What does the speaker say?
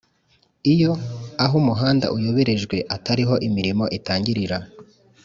Iyo aho umuhanda uyoborejwe atariho imirimo itangirira